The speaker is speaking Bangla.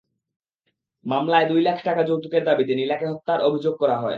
মামলায় দুই লাখ টাকা যৌতুকের দাবিতে নীলাকে হত্যার অভিযোগ করা হয়।